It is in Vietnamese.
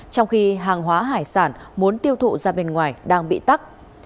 trong khi hàng hóa hải sản muốn tiêu thụ ra bên ngoài đang bị tắt